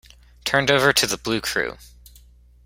Turned over to the Blue Crew.